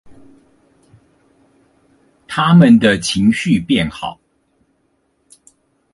牠們的情緒變好